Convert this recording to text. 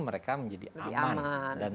mereka menjadi aman dan